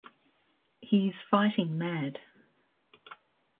He's fighting mad!